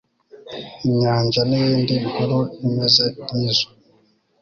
inyanja niyindi nkuru imeze nkizo